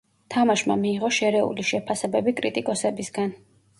თამაშმა მიიღო შერეული შეფასებები კრიტიკოსებისგან.